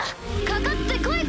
かかって来い！